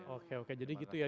oke oke jadi gitu ya